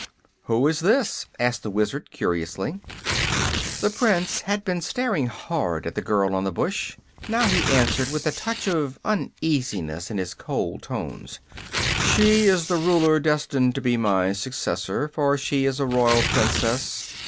"Who is this?" asked the Wizard, curiously. The Prince had been staring hard at the girl on the bush. Now he answered, with a touch of uneasiness in his cold tones: "She is the Ruler destined to be my successor, for she is a Royal Princess.